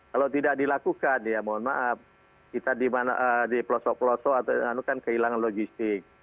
kalau tidak dilakukan ya mohon maaf kita di pelosok pelosok atau kan kehilangan logistik